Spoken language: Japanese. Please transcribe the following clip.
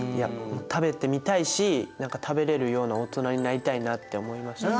もう食べてみたいし何か食べれるような大人になりたいなって思いました。